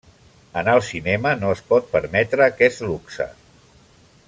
En el cinema no es pot permetre aquest luxe.